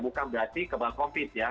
bukan berarti kebal covid ya